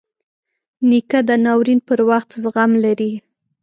نیکه د ناورین پر وخت زغم لري.